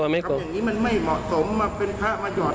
อย่างนี้มันไม่เหมาะสมมาเป็นภาคมาจอด